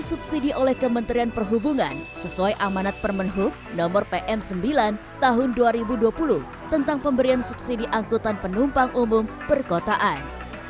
subsidi oleh kementerian perhubungan sesuai amanat permen hub nomor pm sembilan tahun dua ribu dua puluh tentang pemberian subsidi angkutan penumpang umum perkotaan